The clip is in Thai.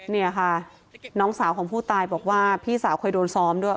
เนี่ยค่ะน้องสาวของผู้ตายบอกว่าพี่สาวเคยโดนซ้อมด้วย